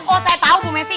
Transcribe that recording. oh saya tahu bu messi